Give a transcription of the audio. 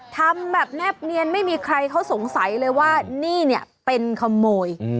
ทำแบบแนบเนียนไม่มีใครเขาสงสัยเลยว่านี่เนี่ยเป็นขโมย